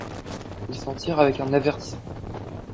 Il s'en tire avec un avertissement.